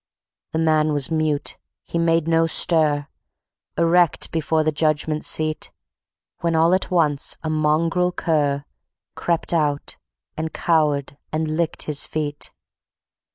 The man was mute; he made no stir, Erect before the Judgment Seat ... When all at once a mongrel cur Crept out and cowered and licked his feet.